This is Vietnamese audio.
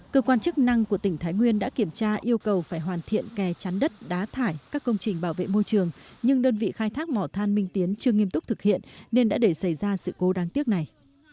cơ quan chức năng của tỉnh thái nguyên đã kiểm tra yêu cầu phải hoàn thiện kè chắn đất đá thải các công trình bảo vệ môi trường nhưng đơn vị khai thác mỏ than minh tiến chưa nghiêm túc thực hiện nên đã để xảy ra sự cố đáng tiếc này